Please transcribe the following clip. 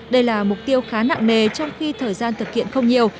đây là mục tiêu khá nặng nề trong khi thời gian thực hiện không nhiều